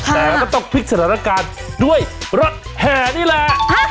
แต่ก็ต้องพลิกสถานการณ์ด้วยรถแห่นี่แหละ